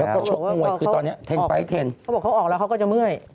แล้วเขาบอกว่าเขาออกแล้วเขาก็จะเมื่อย